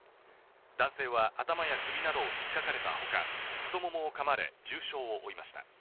男性は頭や首などを引っかかれたほか、太ももをかまれ重傷を負いました。